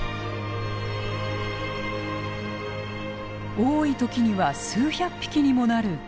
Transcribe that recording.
多い時には数百匹にもなる大集結。